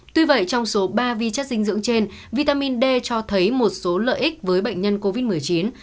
tuy vậy trong số ba vi chất dinh dưỡng trên vitamin d cho thấy một số lợi ích với bệnh nhân covid một mươi chín